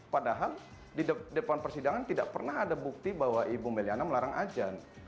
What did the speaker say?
padahal di depan persidangan tidak pernah ada bukti bahwa ibu meliana melarang ajan